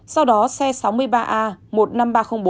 sau đó xe sáu mươi ba a một mươi năm nghìn ba trăm linh bốn